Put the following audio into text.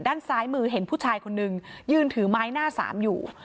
ด้านซ้ายมือเห็นผู้ชายคนนึงยืนถือไม้หน้าสามอยู่